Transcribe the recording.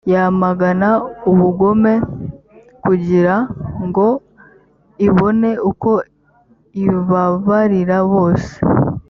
yamagana ubugome kugira ngo ibone uko ibabarira bose